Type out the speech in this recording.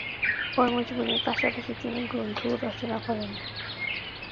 কর্মজীবনের পাশাপাশি তিনি গ্রন্থও রচনা করেন।